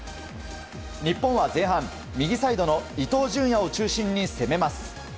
日本は前半、右サイドの伊東純也を中心に攻めます。